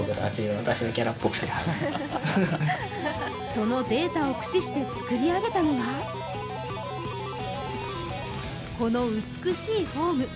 そのデータを駆使して作り上げたのが、この美しいフォーム。